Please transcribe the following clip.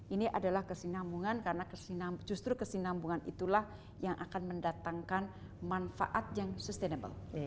ini adalah kesinambungan karena justru kesinambungan itulah yang akan mendatangkan manfaat yang sustainable